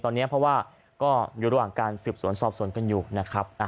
ตอนนี้เพราะว่าก็อยู่ระหว่างการสืบสวนสอบสวนกันอยู่นะครับ